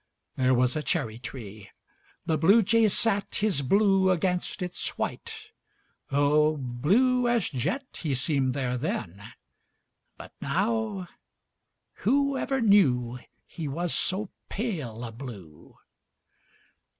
There was a cherry tree. The Bluejay sat His blue against its white O blue as jet He seemed there then! But now Whoever knew He was so pale a blue!